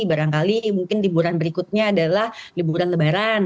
barangkali mungkin liburan berikutnya adalah liburan lebaran